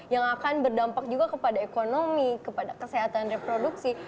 yang akan berdampak juga kepada ekonomi kepada kesehatan reproduksi